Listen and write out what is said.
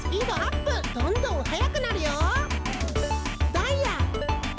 ダイヤ！